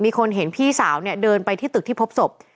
มีคนเห็นพี่สาวเนี่ยเดินไปที่ตึกที่พบศพ